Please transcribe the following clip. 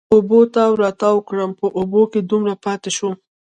اوبو تاو را تاو کړم، په اوبو کې دومره پاتې شوم.